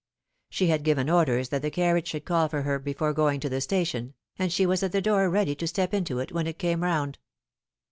She had given orders that the carriage should call for her before going to the station, and she was at the door ready to step into it when it came round.